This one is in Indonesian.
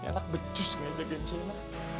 ngenak becus lagi jagan saya